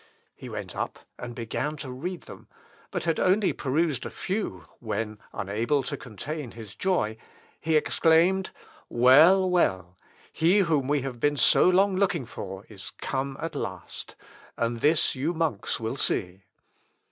He went up and began to read them, but had only perused a few, when unable to contain his joy, he exclaimed, "Well, well, he whom we have been so long looking for is come at last; and this you monks will see."